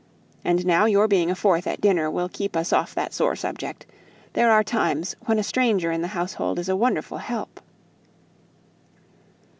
And now your being a fourth at dinner will keep us off that sore subject; there are times when a stranger in the household is a wonderful help."